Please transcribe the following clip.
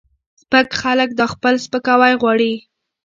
سپک خلک دا خپل سپکاوی غواړي